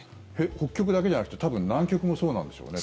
北極だけじゃなくて多分南極もそうなんでしょうね。